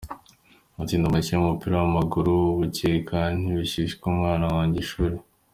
Ati “Ndi umukinnyi w’umupira w’amaguru, ubukeba ntibuzishyurira umwana wanjye ishuri.